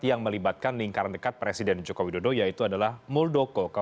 yang melibatkan lingkaran dekat presiden joko widodo yaitu adalah muldoko